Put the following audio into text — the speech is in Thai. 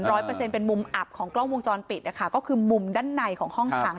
เปอร์เซ็นเป็นมุมอับของกล้องวงจรปิดนะคะก็คือมุมด้านในของห้องขัง